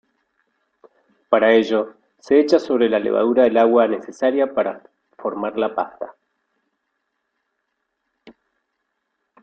Para ello, se echa sobre la levadura el agua necesaria para formar la pasta.